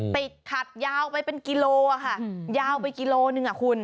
ติดขัดยาวไปเป็นกิโลค่ะยาวไปกิโลนึงคุณ